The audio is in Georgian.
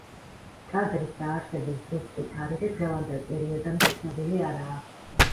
ტაძრის დაარსების ზუსტი თარიღი დღევანდელ პერიოდამდე ცნობილი არაა.